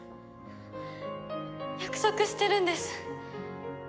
約束してるんです。